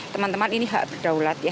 teman teman ini hak berdaulat ya